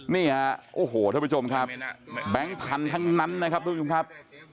นี่ฮะโอ้โหท่านผู้ชมครับแบงค์พันธุ์ทั้งนั้นนะครับทุกผู้ชมครับ